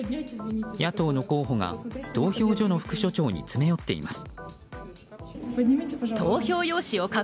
野党の候補が投票所の副所長に詰め寄っています。